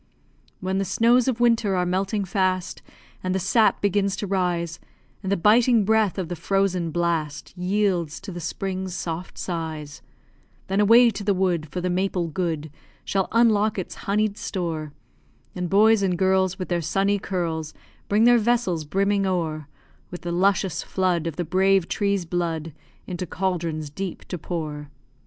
When the snows of winter are melting fast, And the sap begins to rise, And the biting breath of the frozen blast Yields to the spring's soft sighs, Then away to the wood, For the maple, good, Shall unlock its honied store; And boys and girls, With their sunny curls, Bring their vessels brimming o'er With the luscious flood Of the brave tree's blood, Into cauldrons deep to pour.